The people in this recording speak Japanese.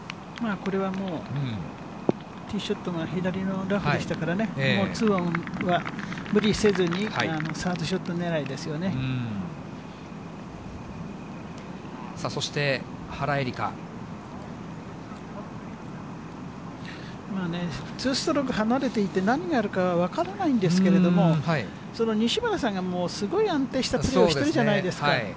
これはもう、ティーショットが左のラフでしたからね、もう２オンは無理せずに、さあ、まあね、２ストローク離れていて、何があるかは分からないんですけれども、西村さんがもう、すごい安定したプレーをしてるじゃないですか。